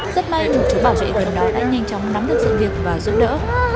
rất may một chú bảo vệ gần đó đã nhanh chóng nắm được sự việc và giúp đỡ